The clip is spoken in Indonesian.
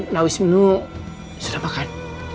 nah wisminu sudah makan